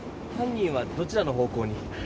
犯人はどちらの方向に？